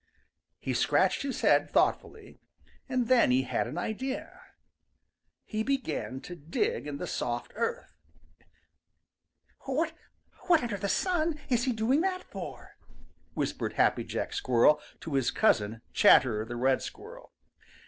He scratched his head thoughtfully, and then he had an idea. He began to dig in the soft earth. "What under the sun is he doing that for?" whispered Happy Jack Squirrel to his cousin, Chatterer the Bed Squirrel.